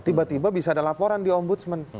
tiba tiba bisa ada laporan di ombudsman